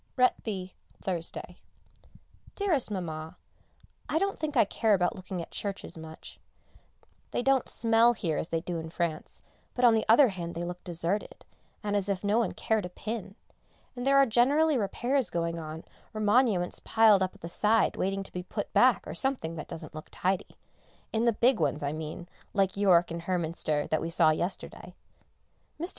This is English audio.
RETBY, Thursday. Dearest Mamma, I don't think I care about looking at churches much. They don't smell here as they do in France, but on the other hand they look deserted, and as if no one cared a pin, and there are generally repairs going on or monuments piled up at the side waiting to be put back or something that doesn't look tidy in the big ones I mean, like York and Hernminster that we saw yesterday. Mr.